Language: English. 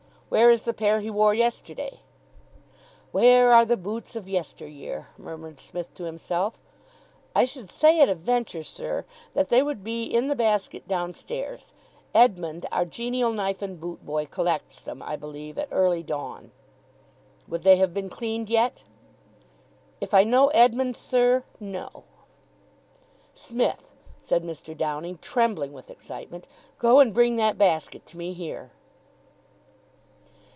"Where is the pair he wore yesterday?" "Where are the boots of yester year?" murmured Psmith to himself. "I should say at a venture, sir, that they would be in the basket downstairs. Edmund, our genial knife and boot boy, collects them, I believe, at early dawn." "Would they have been cleaned yet?" "If I know Edmund, sir no." "Smith," said Mr. Downing, trembling with excitement, "go and bring that basket to me here."